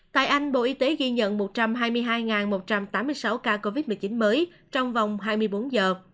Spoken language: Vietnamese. tại anh bộ y tế ghi nhận một trăm hai mươi hai một trăm tám mươi sáu ca covid một mươi chín mới trong vòng hai mươi bốn giờ